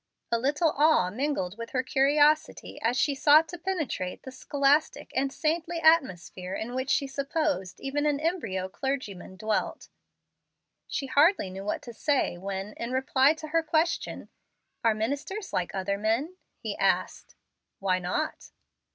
A little awe mingled with her curiosity as she sought to penetrate the scholastic and saintly atmosphere in which she supposed even an embryo clergyman dwelt. She hardly knew what to say when, in reply to her question, "Are ministers like other men?" he asked, "Why not?"